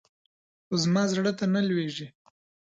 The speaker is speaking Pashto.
خو زما زړه ته نه لوېږي.